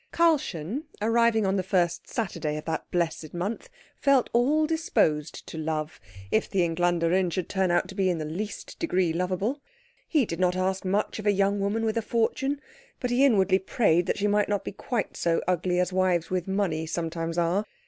Karlchen, arriving on the first Saturday of that blessed month, felt all disposed to love, if the Engländerin should turn out to be in the least degree lovable. He did not ask much of a young woman with a fortune, but he inwardly prayed that she might not be quite so ugly as wives with money sometimes are.